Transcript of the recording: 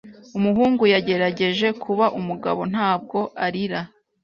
Umuhungu yagerageje kuba umugabo ntabwo arira.